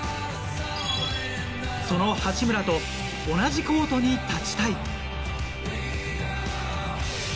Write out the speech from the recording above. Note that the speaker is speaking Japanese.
その八村と同じコートに立ちたい。